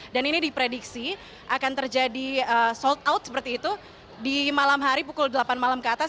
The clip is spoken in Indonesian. dan ini diprediksi akan terjadi sold out seperti itu di malam hari pukul delapan malam ke atas